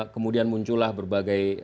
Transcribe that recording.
kemudian muncullah berbagai